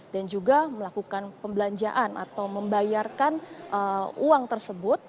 dan juga melakukan pembelanjaan atau membayarkan uang tersebut